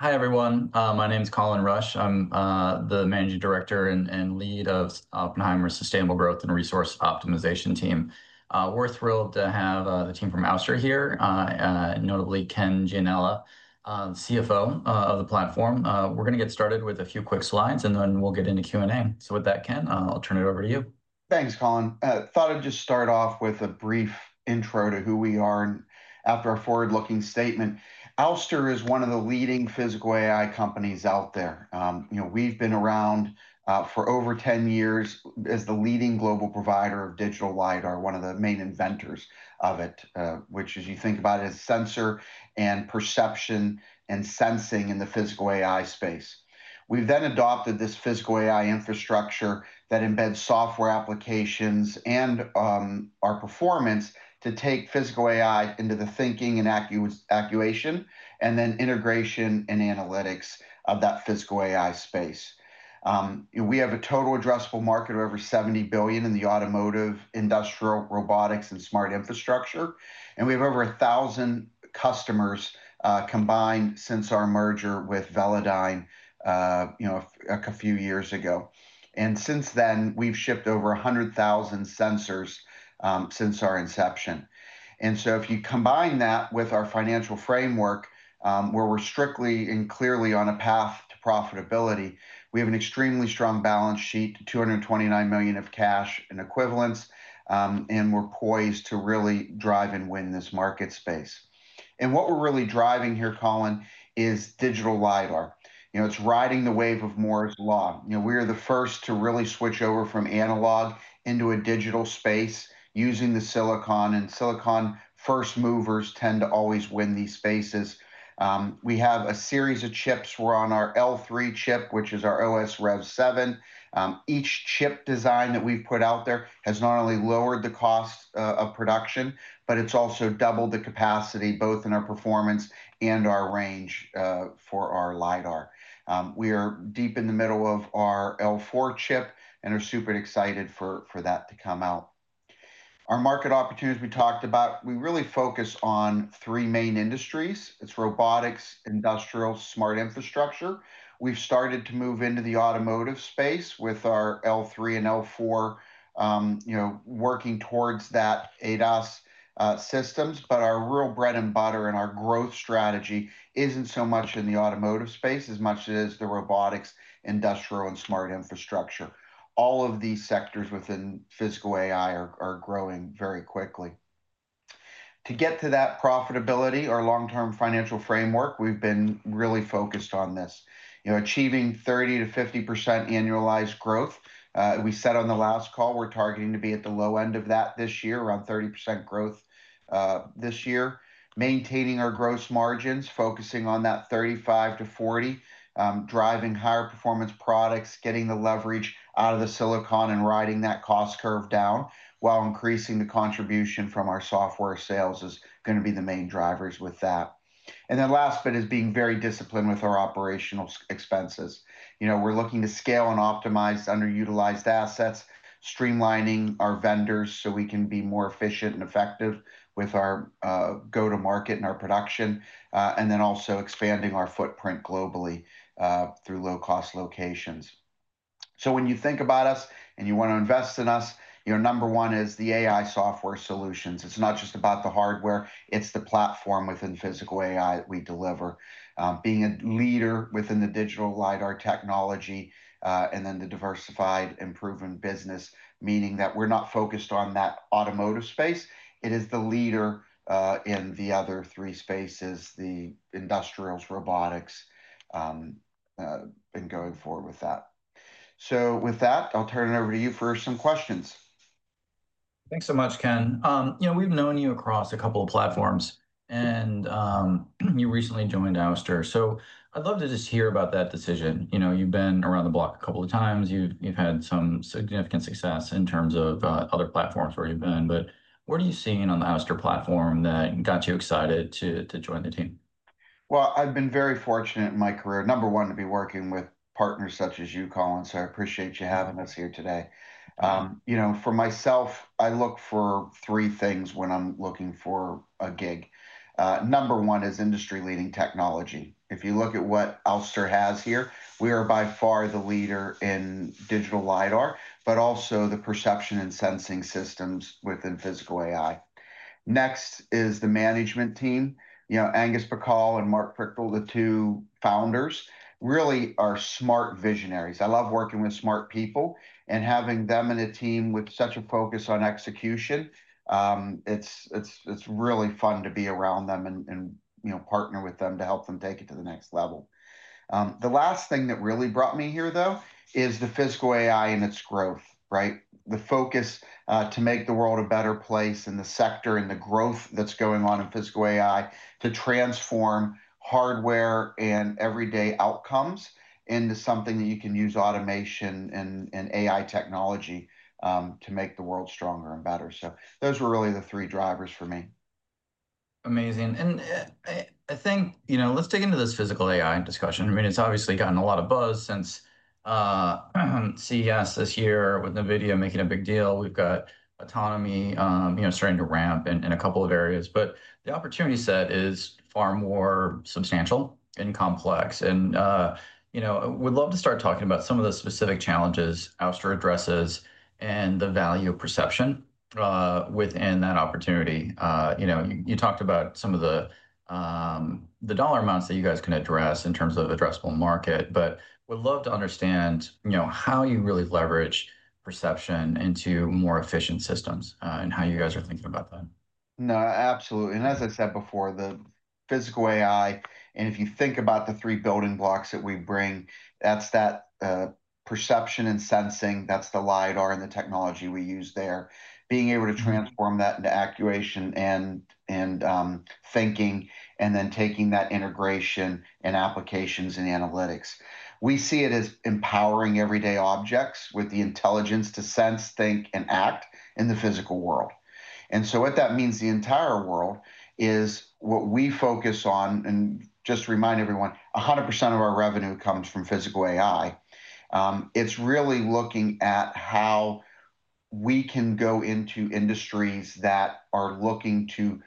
Hi, everyone. My name is Colin Rusch. I'm the Managing Director and Lead of Oppenheimer's Sustainable Growth and Resource Optimization Team. We're thrilled to have the team from Ouster here, notably Ken Gianella, the CFO of the platform. We're going to get started with a few quick slides, and then we'll get into Q&A. With that, Ken, I'll turn it over to you. Thanks, Colin. Thought I'd just start off with a brief intro to who we are and after a forward-looking statement. Ouster is one of the leading physical AI companies out there. We've been around for over 10 years as the leading global provider of digital lidar, one of the main inventors of it, which, as you think about it, is sensor and perception and sensing in the physical AI space. We've then adopted this physical AI infrastructure that embeds software applications and our performance to take physical AI into the thinking and actuation and then integration and analytics of that physical AI space. We have a total addressable market of over $70 billion in the automotive, industrial, robotics, and smart infrastructure. We have over 1,000 customers combined since our merger with Velodyne a few years ago. Since then, we've shipped over 100,000 sensors since our inception. If you combine that with our financial framework, where we're strictly and clearly on a path to profitability, we have an extremely strong balance sheet, $229 million of cash and equivalents, and we're poised to really drive and win this market space. What we're really driving here, Colin, is digital lidar. It's riding the wave of Moore's law. We are the first to really switch over from analog into a digital space using the silicon. Silicon-first movers tend to always win these spaces. We have a series of chips. We're on our L3 chip, which is our OS REV7. Each chip design that we've put out there has not only lowered the cost of production, but it's also doubled the capacity, both in our performance and our range for our lidar. We are deep in the middle of our L4 chip and are super excited for that to come out. Our market opportunities we talked about, we really focus on three main industries. It's robotics, industrial, smart infrastructure. We've started to move into the automotive space with our L3 and L4, working towards that ADAS systems. Our real bread and butter and our growth strategy isn't so much in the automotive space as much as the robotics, industrial, and smart infrastructure. All of these sectors within physical AI are growing very quickly. To get to that profitability, our long-term financial framework, we've been really focused on this. Achieving 30%-50% annualized growth. We said on the last call we're targeting to be at the low end of that this year, around 30% growth this year. Maintaining our gross margins, focusing on that 35%-40%, driving higher performance products, getting the leverage out of the silicon and riding that cost curve down while increasing the contribution from our software sales is going to be the main drivers with that. That last bit is being very disciplined with our operational expenses. We're looking to scale and optimize underutilized assets, streamlining our vendors so we can be more efficient and effective with our go-to-market and our production, and also expanding our footprint globally through low-cost locations. When you think about us and you want to invest in us, number one is the AI software solutions. It's not just about the hardware. It's the platform within physical AI that we deliver. Being a leader within the digital lidar technology and then the diversified and proven business, meaning that we're not focused on that automotive space. It is the leader in the other three spaces, the industrials, robotics, and going forward with that. I'll turn it over to you for some questions. Thanks so much, Ken. We've known you across a couple of platforms, and you recently joined Ouster. I'd love to just hear about that decision. You've been around the block a couple of times. You've had some significant success in terms of other platforms where you've been. What are you seeing on the Ouster platform that got you excited to join the team? I've been very fortunate in my career, number one, to be working with partners such as you, Colin. I appreciate you having us here today. For myself, I look for three things when I'm looking for a gig. Number one is industry-leading technology. If you look at what Ouster has here, we are by far the leader in digital lidar, but also the perception and sensing systems within physical AI. Next is the management team. Angus Pacala and Mark Frichtl, the two founders, really are smart visionaries. I love working with smart people and having them in a team with such a focus on execution. It's really fun to be around them and partner with them to help them take it to the next level. The last thing that really brought me here is the physical AI and its growth, right? The focus to make the world a better place in the sector and the growth that's going on in physical AI to transform hardware and everyday outcomes into something that you can use automation and AI technology to make the world stronger and better. Those were really the three drivers for me. Amazing. I think, you know, let's dig into this physical AI discussion. I mean, it's obviously gotten a lot of buzz since CES this year with NVIDIA making a big deal. We've got autonomy starting to ramp in a couple of areas. The opportunity set is far more substantial and complex. We'd love to start talking about some of the specific challenges Ouster addresses and the value of perception within that opportunity. You talked about some of the dollar amounts that you guys can address in terms of the addressable market. We'd love to understand how you really leverage perception into more efficient systems and how you guys are thinking about that. No, absolutely. As I said before, the physical AI, and if you think about the three building blocks that we bring, that's that perception and sensing. That's the lidar and the technology we use there. Being able to transform that into actuation and thinking, then taking that integration and applications and analytics. We see it as empowering everyday objects with the intelligence to sense, think, and act in the physical world. What that means is the entire world is what we focus on. Just to remind everyone, 100% of our revenue comes from physical AI. It's really looking at how we can go into industries that are looking to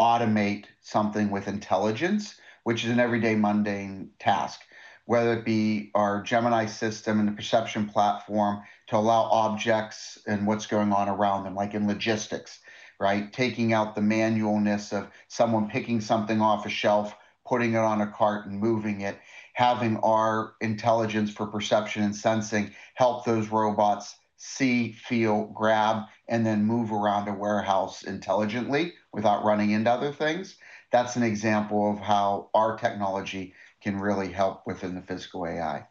automate something with intelligence, which is an everyday mundane task, whether it be our Gemini system and the perception platform to allow objects and what's going on around them, like in logistics, right? Taking out the manualness of someone picking something off a shelf, putting it on a cart, and moving it, having our intelligence for perception and sensing help those robots see, feel, grab, and then move around a warehouse intelligently without running into other things. That's an example of how our technology can really help within the physical AI.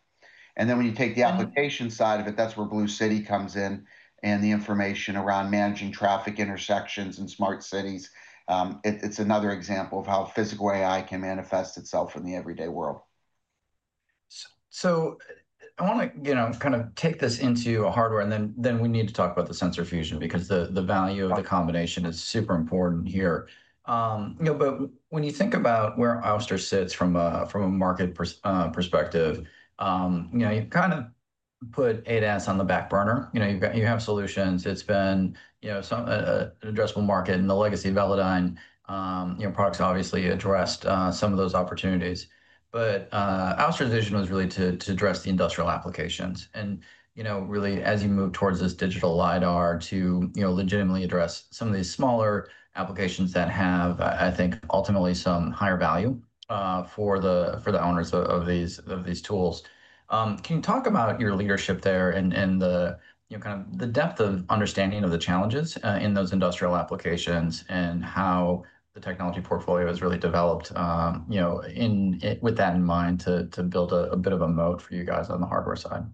When you take the application side of it, that's where BlueCity comes in and the information around managing traffic intersections and smart cities. It's another example of how physical AI can manifest itself in the everyday world. I want to take this into hardware, and then we need to talk about the sensor fusion because the value of the combination is super important here. When you think about where Ouster sits from a market perspective, you've put ADAS on the back burner. You have solutions. It's been an addressable market, and the legacy Velodyne products obviously addressed some of those opportunities. Ouster's vision was really to address the industrial applications. As you move towards this digital lidar to legitimately address some of these smaller applications that have, I think, ultimately some higher value for the owners of these tools, can you talk about your leadership there and the depth of understanding of the challenges in those industrial applications and how the technology portfolio has really developed with that in mind to build a bit of a moat for you guys on the hardware side?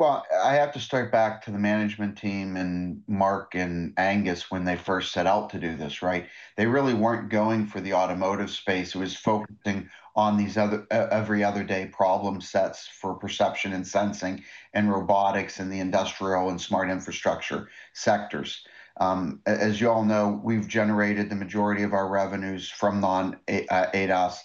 I have to start back to the management team and Mark and Angus when they first set out to do this, right? They really weren't going for the automotive space. It was focusing on these every other day problem sets for perception and sensing and robotics and the industrial and smart infrastructure sectors. As you all know, we've generated the majority of our revenues from non-ADAS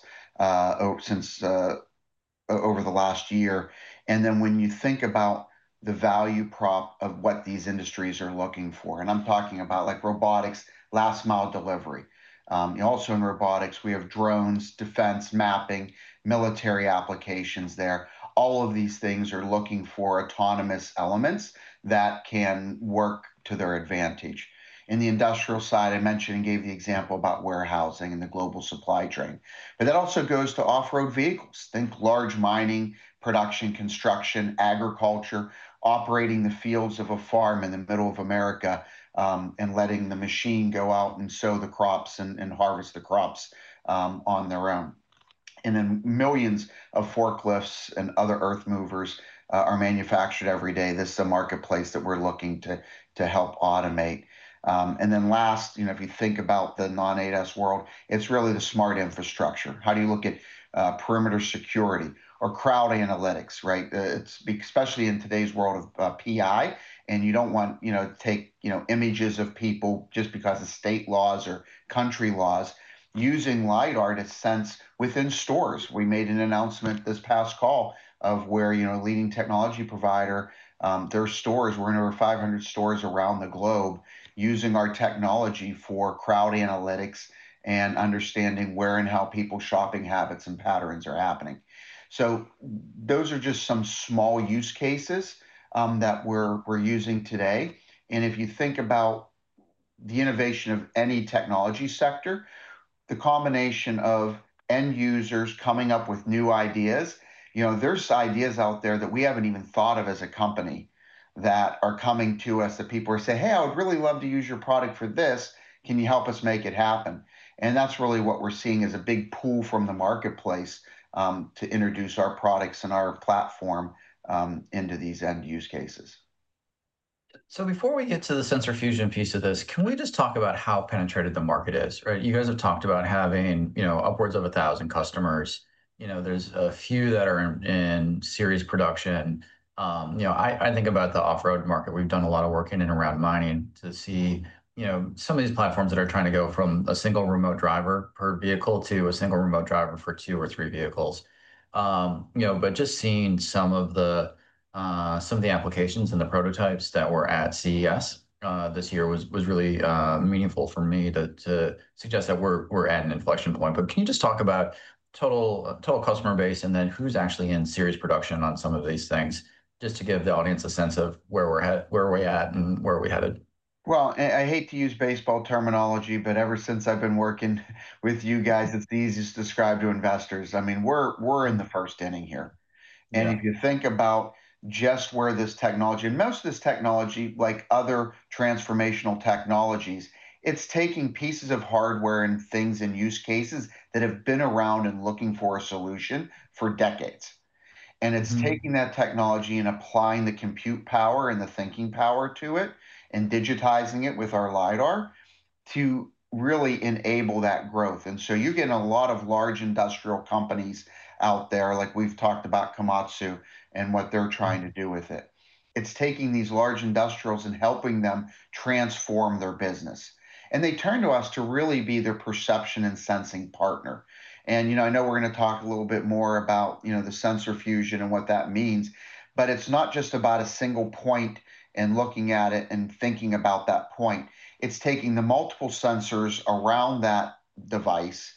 since over the last year. When you think about the value prop of what these industries are looking for, and I'm talking about like robotics, last mile delivery. Also, in robotics, we have drones, defense, mapping, military applications there. All of these things are looking for autonomous elements that can work to their advantage. In the industrial side, I mentioned and gave the example about warehousing and the global supply chain. That also goes to off-road vehicles. Think large mining, production, construction, agriculture, operating the fields of a farm in the middle of America and letting the machine go out and sow the crops and harvest the crops on their own. Millions of forklifts and other earth movers are manufactured every day. This is a marketplace that we're looking to help automate. If you think about the non-ADAS world, it's really the smart infrastructure. How do you look at perimeter security or crowd analytics, right? Especially in today's world of PI, and you don't want to take images of people just because of state laws or country laws, using lidar to sense within stores. We made an announcement this past call of where a leading technology provider, their stores, we're in over 500 stores around the globe, using our technology for crowd analytics and understanding where and how people's shopping habits and patterns are happening. Those are just some small use cases that we're using today. If you think about the innovation of any technology sector, the combination of end users coming up with new ideas, you know, there's ideas out there that we haven't even thought of as a company that are coming to us that people are saying, "Hey, I would really love to use your product for this. Can you help us make it happen?" That's really what we're seeing is a big pull from the marketplace to introduce our products and our platform into these end use cases. Before we get to the sensor fusion piece of this, can we just talk about how penetrated the market is? You guys have talked about having upwards of 1,000 customers. There's a few that are in series production. I think about the off-road market. We've done a lot of work in and around mining to see some of these platforms that are trying to go from a single remote driver per vehicle to a single remote driver for two or three vehicles. Just seeing some of the applications and the prototypes that were at CES this year was really meaningful for me to suggest that we're at an inflection point. Can you just talk about the total customer base and then who's actually in series production on some of these things just to give the audience a sense of where we're at and where we're headed? I hate to use baseball terminology, but ever since I've been working with you guys, it's the easiest to describe to investors. I mean, we're in the first inning here. If you think about just where this technology, and most of this technology, like other transformational technologies, it's taking pieces of hardware and things and use cases that have been around and looking for a solution for decades. It's taking that technology and applying the compute power and the thinking power to it and digitizing it with our lidar to really enable that growth. You get a lot of large industrial companies out there, like we've talked about Komatsu and what they're trying to do with it. It's taking these large industrials and helping them transform their business. They turn to us to really be their perception and sensing partner. I know we're going to talk a little bit more about the sensor fusion and what that means. It's not just about a single point and looking at it and thinking about that point. It's taking the multiple sensors around that device,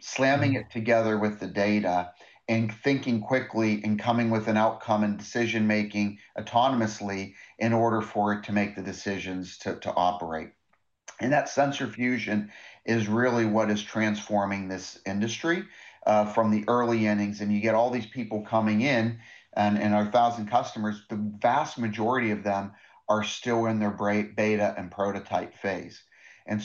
slamming it together with the data, and thinking quickly and coming with an outcome and decision-making autonomously in order for it to make the decisions to operate. That sensor fusion is really what is transforming this industry from the early innings. You get all these people coming in and our 1,000 customers, the vast majority of them are still in their beta and prototype phase.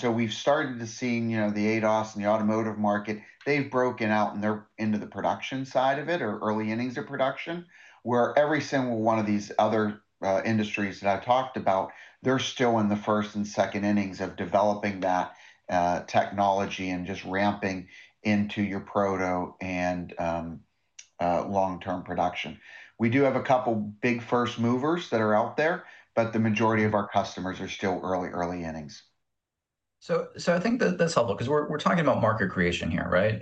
We've started to see the ADAS and the automotive market, they've broken out into the production side of it or early innings of production, where every single one of these other industries that I've talked about, they're still in the first and second innings of developing that technology and just ramping into your proto and long-term production. We do have a couple of big first movers that are out there, but the majority of our customers are still early, early innings. I think that's helpful because we're talking about market creation here, right?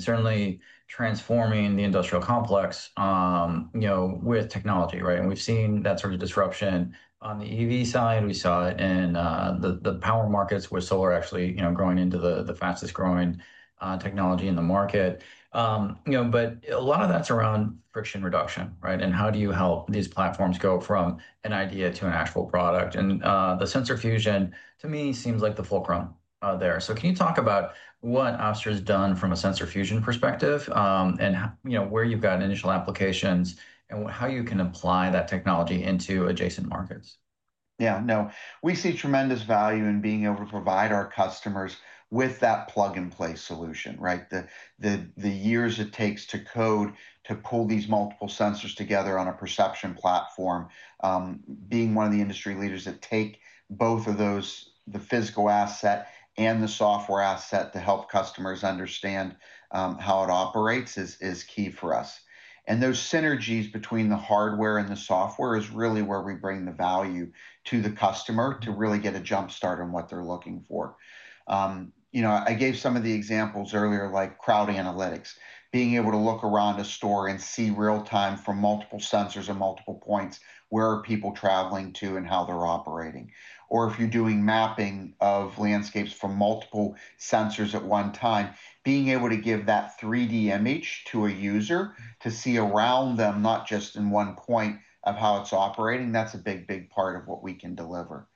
Certainly transforming the industrial complex with technology, right? We've seen that sort of disruption on the EV side. We saw it in the power markets where solar is actually growing into the fastest growing technology in the market. A lot of that's around friction reduction, right? How do you help these platforms go from an idea to an actual product? The sensor fusion, to me, seems like the fulcrum there. Can you talk about what Ouster has done from a sensor fusion perspective and where you've got initial applications and how you can apply that technology into adjacent markets? Yeah, no, we see tremendous value in being able to provide our customers with that plug-and-play solution, right? The years it takes to code to pull these multiple sensors together on a perception platform, being one of the industry leaders that take both of those, the physical asset and the software asset to help customers understand how it operates is key for us. Those synergies between the hardware and the software are really where we bring the value to the customer to really get a jump start on what they're looking for. You know, I gave some of the examples earlier, like crowd analytics, being able to look around a store and see real-time from multiple sensors and multiple points where are people traveling to and how they're operating. If you're doing mapping of landscapes from multiple sensors at one time, being able to give that 3D image to a user to see around them, not just in one point of how it's operating, that's a big, big part of what we can deliver.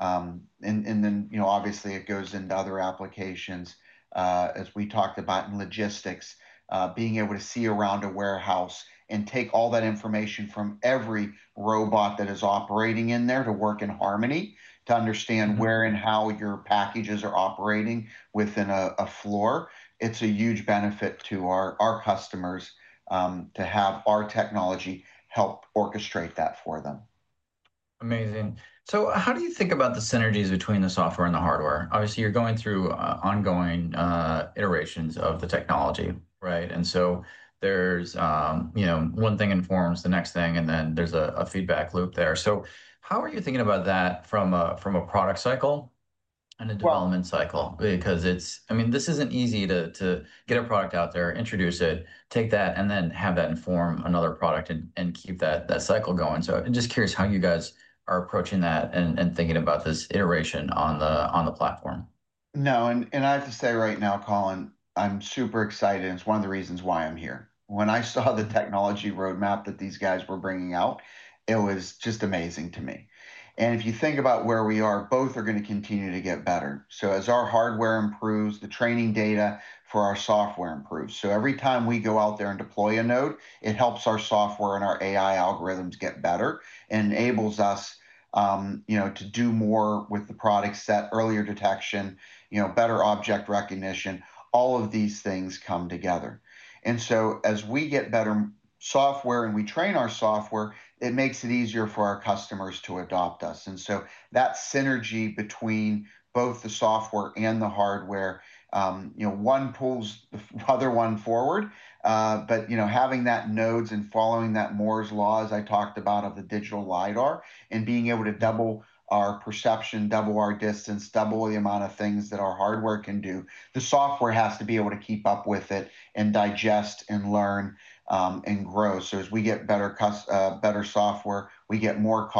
Obviously, it goes into other applications, as we talked about in logistics, being able to see around a warehouse and take all that information from every robot that is operating in there to work in harmony, to understand where and how your packages are operating within a floor. It's a huge benefit to our customers to have our technology help orchestrate that for them. Amazing. How do you think about the synergies between the software and the hardware? Obviously, you're going through ongoing iterations of the technology, right? There's one thing that informs the next thing, and then there's a feedback loop there. How are you thinking about that from a product cycle and a development cycle? This isn't easy to get a product out there, introduce it, take that, and then have that inform another product and keep that cycle going. I'm just curious how you guys are approaching that and thinking about this iteration on the platform. No, and I have to say right now, Colin, I'm super excited. It's one of the reasons why I'm here. When I saw the technology roadmap that these guys were bringing out, it was just amazing to me. If you think about where we are, both are going to continue to get better. As our hardware improves, the training data for our software improves. Every time we go out there and deploy a node, it helps our software and our AI algorithms get better and enables us to do more with the product set, earlier detection, better object recognition. All of these things come together. As we get better software and we train our software, it makes it easier for our customers to adopt us. That synergy between both the software and the hardware, one pulls the other one forward. Having that nodes and following that Moore's law, as I talked about, of the digital lidar and being able to double our perception, double our distance, double the amount of things that our hardware can do, the software has to be able to keep up with it and digest and learn and grow. As we get better software, we get more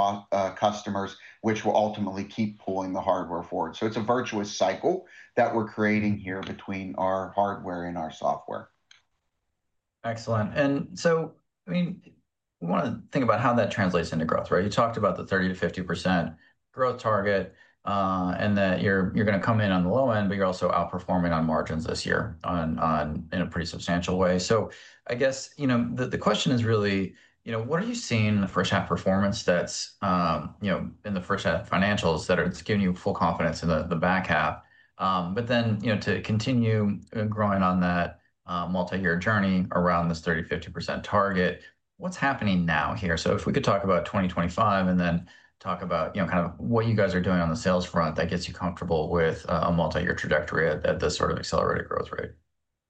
customers, which will ultimately keep pulling the hardware forward. It's a virtuous cycle that we're creating here between our hardware and our software. Excellent. I mean, we want to think about how that translates into growth, right? You talked about the 30%-50% growth target and that you're going to come in on the low end, but you're also outperforming on margins this year in a pretty substantial way. I guess the question is really, you know, what are you seeing in the first half performance that's, you know, in the first half financials that are just giving you full confidence in the back half? To continue growing on that multi-year journey around this 30%, 50% target, what's happening now here? If we could talk about 2025 and then talk about, you know, kind of what you guys are doing on the sales front that gets you comfortable with a multi-year trajectory at this sort of accelerated growth rate.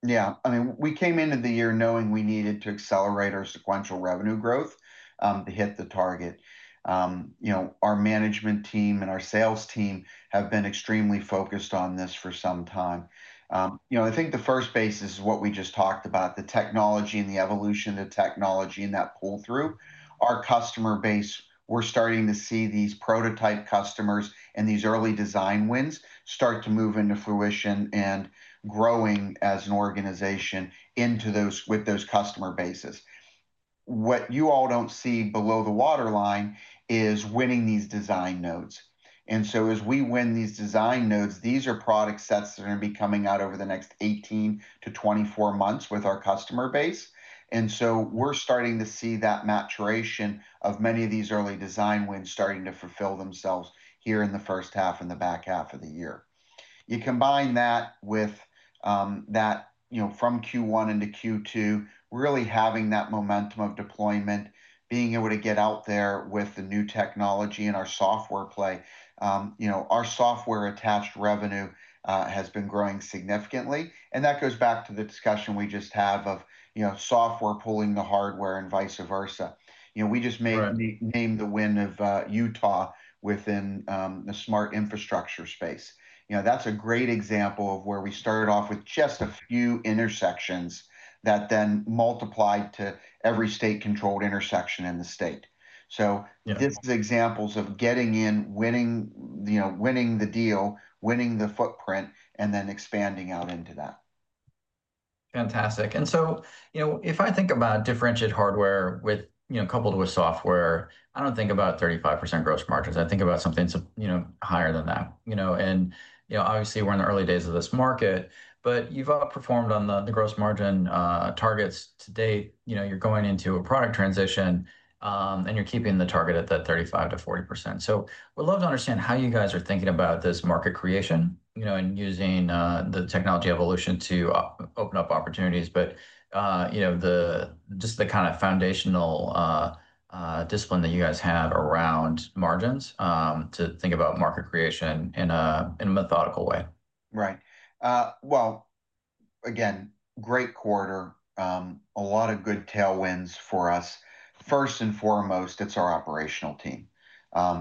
Yeah, I mean, we came into the year knowing we needed to accelerate our sequential revenue growth to hit the target. Our management team and our sales team have been extremely focused on this for some time. I think the first basis is what we just talked about, the technology and the evolution of the technology and that pull-through. Our customer base, we're starting to see these prototype customers and these early design wins start to move into fruition and growing as an organization with those customer bases. What you all don't see below the waterline is winning these design nodes. As we win these design nodes, these are product sets that are going to be coming out over the next 18 to 24 months with our customer base. We're starting to see that maturation of many of these early design wins starting to fulfill themselves here in the first half and the back half of the year. You combine that with that, from Q1 into Q2, really having that momentum of deployment, being able to get out there with the new technology and our software play. Our software-attached revenue has been growing significantly. That goes back to the discussion we just have of software pulling the hardware and vice versa. We just made the win of Utah within the smart infrastructure space. That's a great example of where we started off with just a few intersections that then multiplied to every state-controlled intersection in the state. This is examples of getting in, winning the deal, winning the footprint, and then expanding out into that. Fantastic. If I think about differentiated hardware coupled with software, I don't think about 35% gross margins. I think about something higher than that. Obviously, we're in the early days of this market, but you've outperformed on the gross margin targets to date. You're going into a product transition and you're keeping the target at that 35%-40%. We'd love to understand how you guys are thinking about this market creation and using the technology evolution to open up opportunities, but just the kind of foundational discipline that you guys have around margins to think about market creation in a methodical way. Right. Great quarter, a lot of good tailwinds for us. First and foremost, it's our operational team.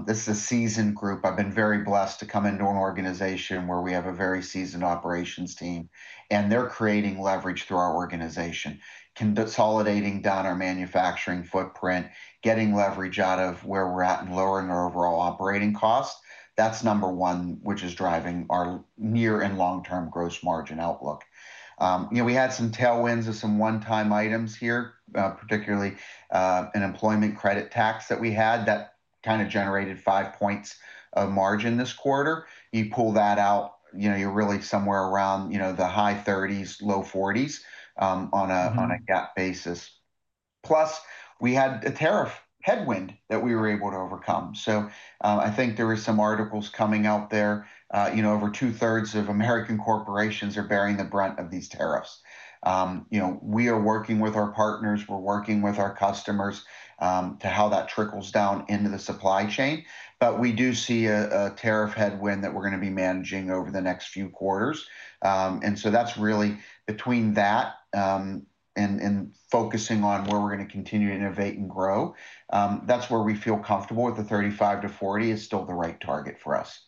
This is a seasoned group. I've been very blessed to come into an organization where we have a very seasoned operations team, and they're creating leverage through our organization, consolidating down our manufacturing footprint, getting leverage out of where we're at, and lowering our overall operating cost. That's number one, which is driving our near and long-term gross margin outlook. We had some tailwinds of some one-time items here, particularly an employment credit tax that we had that kind of generated five points of margin this quarter. You pull that out, you're really somewhere around the high 30s, low 40s on a GAAP basis. Plus, we had a tariff headwind that we were able to overcome. I think there were some articles coming out there, over two-thirds of American corporations are bearing the brunt of these tariffs. We are working with our partners, we're working with our customers to how that trickles down into the supply chain. We do see a tariff headwind that we're going to be managing over the next few quarters. That's really between that and focusing on where we're going to continue to innovate and grow. That's where we feel comfortable with the 35%-40% is still the right target for us.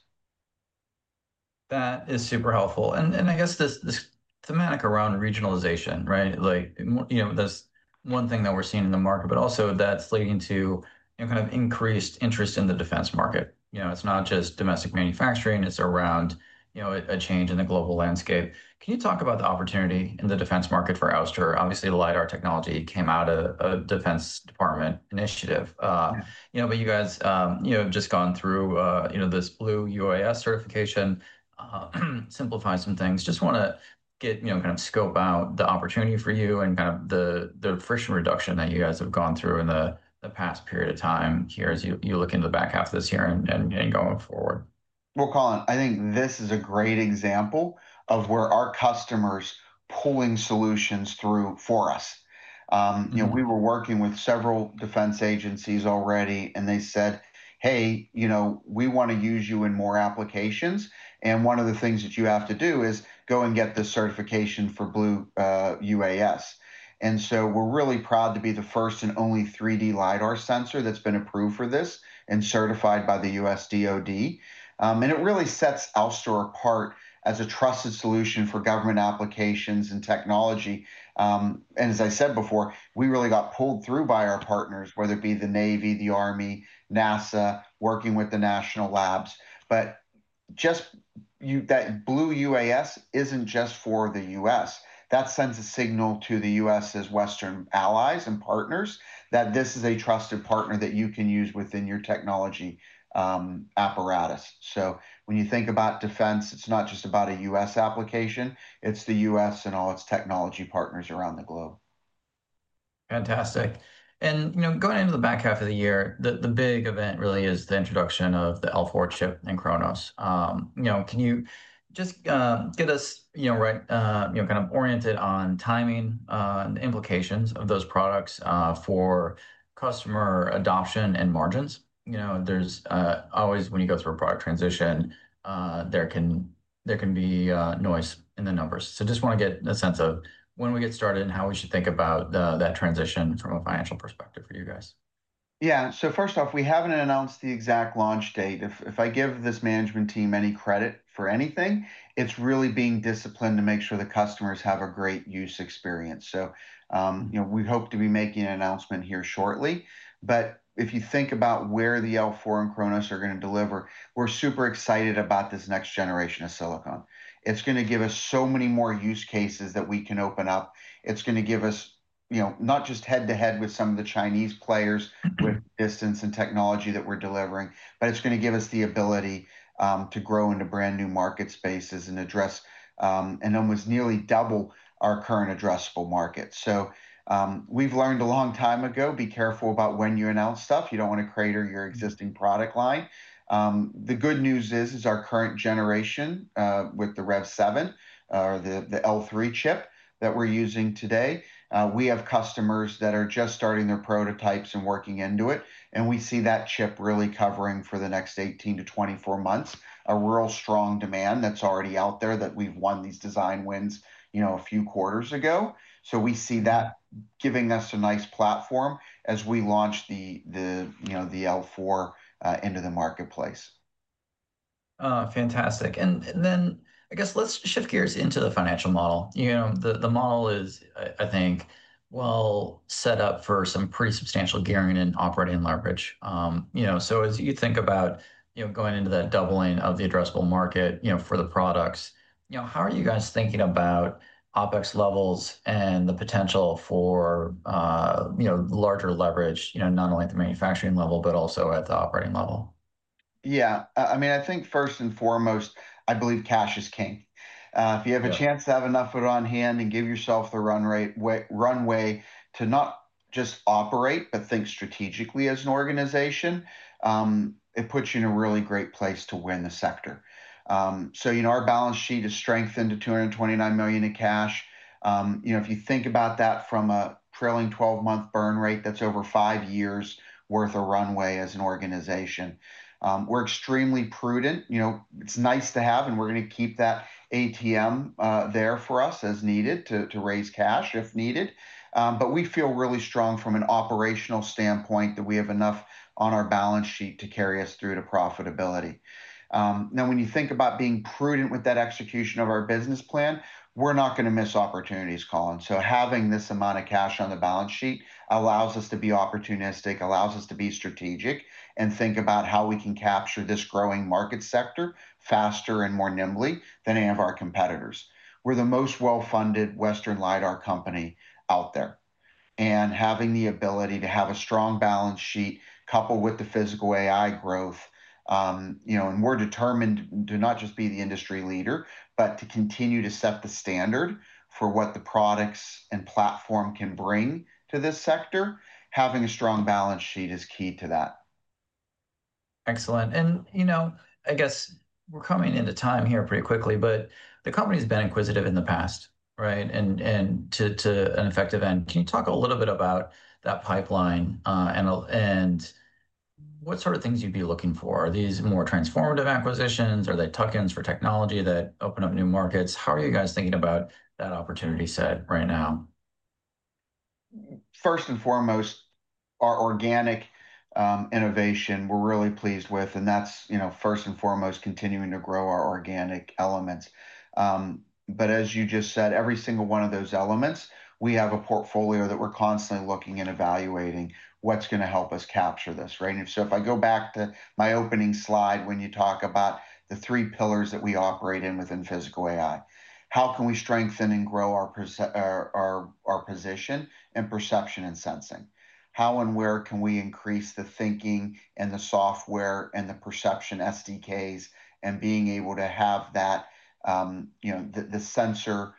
That is super helpful. I guess this thematic around regionalization, right? Like, you know, there's one thing that we're seeing in the market, but also that's leading to kind of increased interest in the defense market. It's not just domestic manufacturing, it's around a change in the global landscape. Can you talk about the opportunity in the defense market for Ouster? Obviously, the lidar technology came out of a Defense Department initiative. You guys have just gone through this Blue UAS certification, simplifying some things. I just want to get kind of scope out the opportunity for you and the friction reduction that you guys have gone through in the past period of time here as you look into the back half of this year and going forward. Colin, I think this is a great example of where our customers are pulling solutions through for us. You know, we were working with several defense agencies already, and they said, "Hey, you know, we want to use you in more applications." One of the things that you have to do is go and get the certification for Blue UAS. We're really proud to be the first and only 3D lidar sensor that's been approved for this and certified by the U.S. DOD. It really sets Ouster apart as a trusted solution for government applications and technology. As I said before, we really got pulled through by our partners, whether it be the Navy, the Army, NASA, working with the national labs. Blue UAS isn't just for the U.S. That sends a signal to the U.S.'s western allies and partners that this is a trusted partner that you can use within your technology apparatus. When you think about defense, it's not just about a U.S. application. It's the U.S. and all its technology partners around the globe. Fantastic. Going into the back half of the year, the big event really is the introduction of the L4 chip and Chronos. Can you just get us kind of oriented on timing and the implications of those products for customer adoption and margins? There's always, when you go through a product transition, there can be noise in the numbers. I just want to get a sense of when we get started and how we should think about that transition from a financial perspective for you guys. Yeah, so first off, we haven't announced the exact launch date. If I give this management team any credit for anything, it's really being disciplined to make sure the customers have a great use experience. We hope to be making an announcement here shortly. If you think about where the L4 and Chronos are going to deliver, we're super excited about this next generation of silicon. It's going to give us so many more use cases that we can open up. It's going to give us not just head-to-head with some of the Chinese players with distance and technology that we're delivering, but it's going to give us the ability to grow into brand new market spaces and address and almost nearly double our current addressable market. We've learned a long time ago, be careful about when you announce stuff. You don't want to crater your existing product line. The good news is our current generation with the REV7 or the L3 chip that we're using today, we have customers that are just starting their prototypes and working into it. We see that chip really covering for the next 18 to 24 months, a real strong demand that's already out there that we've won these design wins a few quarters ago. We see that giving us a nice platform as we launch the L4 into the marketplace. Fantastic. I guess let's shift gears into the financial model. The model is, I think, well set up for some pretty substantial gearing and operating leverage. As you think about going into that doubling of the addressable market for the products, how are you guys thinking about OpEx levels and the potential for larger leverage, not only at the manufacturing level, but also at the operating level? Yeah, I mean, I think first and foremost, I believe cash is king. If you have a chance to have enough food on hand and give yourself the runway to not just operate, but think strategically as an organization, it puts you in a really great place to win the sector. Our balance sheet is strengthened to $229 million in cash. If you think about that from a trailing 12-month burn rate, that's over five years' worth of runway as an organization. We're extremely prudent. It's nice to have, and we're going to keep that ATM there for us as needed to raise cash if needed. We feel really strong from an operational standpoint that we have enough on our balance sheet to carry us through to profitability. Now, when you think about being prudent with that execution of our business plan, we're not going to miss opportunities, Colin. Having this amount of cash on the balance sheet allows us to be opportunistic, allows us to be strategic, and think about how we can capture this growing market sector faster and more nimbly than any of our competitors. We're the most well-funded Western lidar company out there. Having the ability to have a strong balance sheet coupled with the physical AI growth, and we're determined to not just be the industry leader, but to continue to set the standard for what the products and platform can bring to this sector, having a strong balance sheet is key to that. Excellent. I guess we're coming into time here pretty quickly, but the company's been inquisitive in the past, right? To an effective end, can you talk a little bit about that pipeline and what sort of things you'd be looking for? Are these more transformative acquisitions? Are they tuck-ins for technology that open up new markets? How are you guys thinking about that opportunity side right now? First and foremost, our organic innovation we're really pleased with, and that's, you know, first and foremost continuing to grow our organic elements. As you just said, every single one of those elements, we have a portfolio that we're constantly looking and evaluating what's going to help us capture this, right? If I go back to my opening slide, when you talk about the three pillars that we operate in within physical AI, how can we strengthen and grow our position and perception and sensing? How and where can we increase the thinking and the software and the perception SDKs and being able to have that, you know, the sensor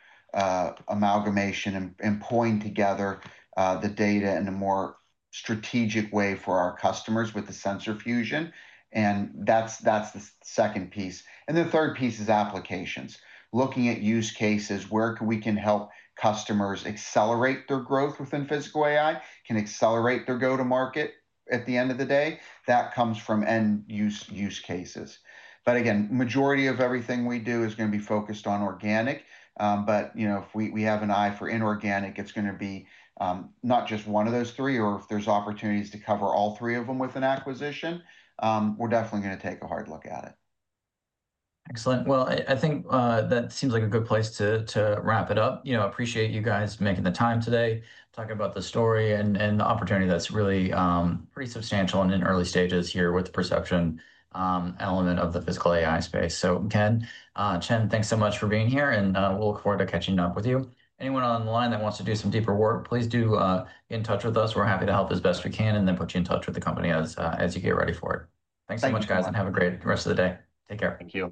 amalgamation and pulling together the data in a more strategic way for our customers with the sensor fusion? That's the second piece. The third piece is applications, looking at use cases, where we can help customers accelerate their growth within physical AI, can accelerate their go-to-market at the end of the day. That comes from end use cases. The majority of everything we do is going to be focused on organic. If we have an eye for inorganic, it's going to be not just one of those three, or if there's opportunities to cover all three of them with an acquisition, we're definitely going to take a hard look at it. Excellent. I think that seems like a good place to wrap it up. I appreciate you guys making the time today, talking about the story and the opportunity that's really pretty substantial and in early stages here with the perception element of the physical AI space. Ken, Chen, thanks so much for being here, and we'll look forward to catching up with you. Anyone online that wants to do some deeper work, please do get in touch with us. We're happy to help as best we can and then put you in touch with the company as you get ready for it. Thanks so much, guys, and have a great rest of the day. Take care. Thank you.